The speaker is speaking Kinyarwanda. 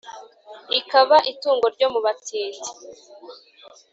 Ikaba itungo ryo mu batindi.